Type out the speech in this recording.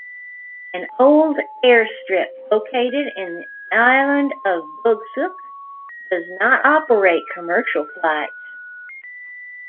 An old airstrip located in the island of Bugsuk does not operate commercial flights.